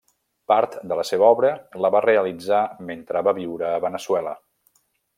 Part de la seva obra la va realitzar mentre va viure a Veneçuela.